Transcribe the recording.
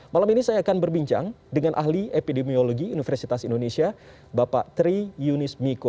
malam ini saya akan berbincang dengan ahli epidemiologi universitas indonesia bapak tri yunis miko